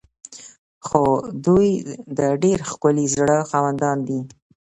خو دوی د ډیر ښکلي زړه خاوندان دي.